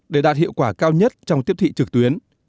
để đạt hiệu quả cao nhất trong tiếp thị trực tuyến